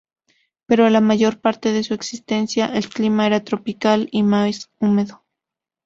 Pero la mayor parte de su existencia, el clima era tropical y más húmedo.